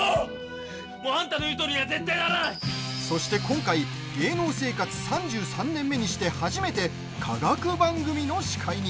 そして今回芸能生活３３年目にして初めて科学番組の司会に。